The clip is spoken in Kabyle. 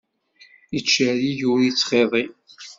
Ittcerrig ur ittxiḍi.